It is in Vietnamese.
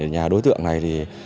nhà đối tượng này